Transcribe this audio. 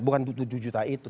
bukan bukan rp tujuh juta itu